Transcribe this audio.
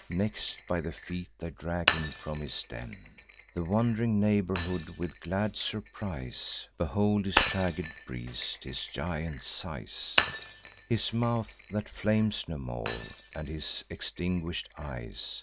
Next, by the feet, they drag him from his den. The wond'ring neighbourhood, with glad surprise, Behold his shagged breast, his giant size, His mouth that flames no more, and his extinguish'd eyes.